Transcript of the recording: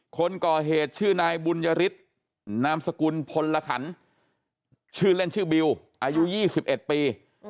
คนก่อเหตุชื่อนายบุญยฤทธิ์นามสกุลพลขันชื่อเล่นชื่อบิวอายุ๒๑ปี